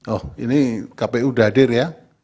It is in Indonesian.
oh ini kpu dadir ya